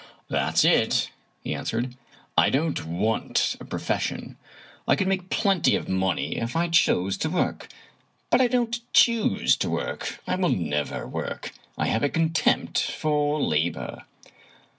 " That's it," he answered; " I don't want a profession. I could make plenty of money if I chose to work, but I don't choose to work. I will never work. I have a contempt for labor."